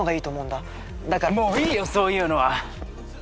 もういいよそういうのは！